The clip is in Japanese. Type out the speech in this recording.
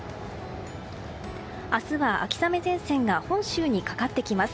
明日は、秋雨前線が本州にかかってきます。